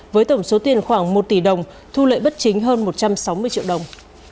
với tổng số tiền khoảng một tỷ đồng thu lợi bất chính hơn một trăm sáu mươi triệu đồng